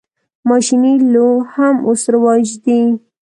ماشیني لو هم اوس رواج دی.